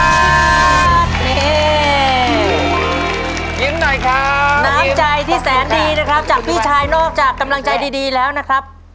น้ำใจที่แสนดีนะครับจากพี่ชายนอกจากกำลังใจดีแล้วนะครับ